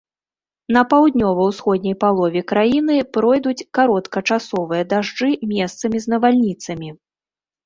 На паўднёва-ўсходняй палове краіны пройдуць кароткачасовыя дажджы, месцамі з навальніцамі.